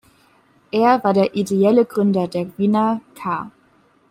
Er war der ideelle Gründer der Wiener „k.